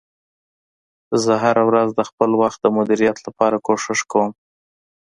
زه هره ورځ د خپل وخت د مدیریت لپاره کوښښ کوم